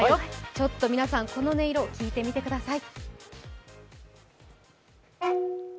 ちょっと皆さん、この音色聴いてみてください。